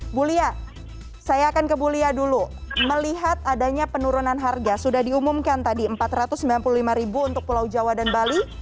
ibu lia saya akan ke bu lia dulu melihat adanya penurunan harga sudah diumumkan tadi rp empat ratus sembilan puluh lima untuk pulau jawa dan bali